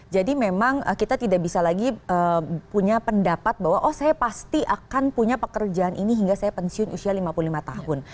jadi memang kita tidak bisa lagi punya pendapat bahwa oh saya pasti akan punya pekerjaan ini hingga saya pensiun usia lima puluh lima tahun